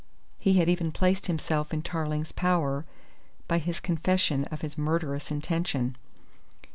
He had even placed himself in Tarling's power by his confession of his murderous intention.